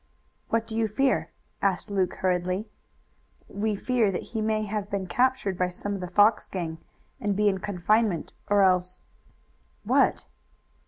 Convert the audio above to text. "What do you fear?" asked Luke hurriedly. "We fear that he may have been captured by some of the Fox gang, and be in confinement, or else " "What?"